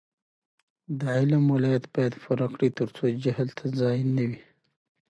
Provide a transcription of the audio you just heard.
د علم ولایت باید پوره کړي ترڅو جهل ته ځای نه وي.